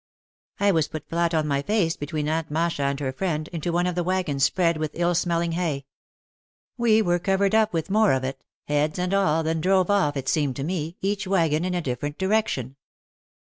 I was put flat on my face between Aunt Masha and her friend, into one of the wagons spread with ill smelling hay. We were covered up with more of it, 56 OUT OF THE SHADOW heads and all, then drove off, it seemed to me, each wagon in a different direction.